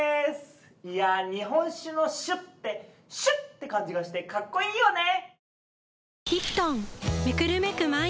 いや日本酒の「酒」ってシュッて感じがしてカッコイイよね。